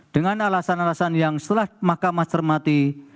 dengan alasan alasan yang setelah makamah cermati